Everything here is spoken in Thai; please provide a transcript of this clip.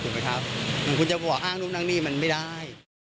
อยู่ไหมครับถ้าคุณจะบอกอ้างนุ้มนั่งนี่มันไม่ได้